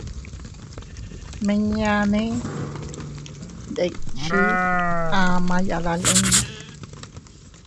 Miña nee ndikche ama yadalin.